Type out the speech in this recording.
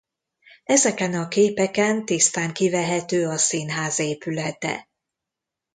Ezeken a képeken tisztán kivehető a színház épülete.